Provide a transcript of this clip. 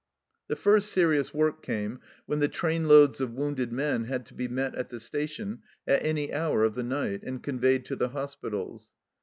The first serious work came when the trainloads of wounded men had to be met at the station at any hour of the night, and conveyed to the hospitals.